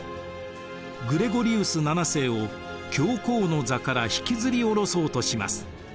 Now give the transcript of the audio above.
グレゴリウス７世を教皇の座から引きずり下ろそうとします。